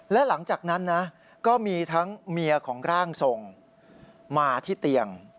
และหลังจากนั้นนะก็มีทั้งเมียของร่างทรงมาที่เตียง